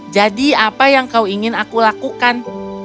jadi apa yang kau ingin aku lakukan